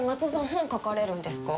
本書かれるんですか？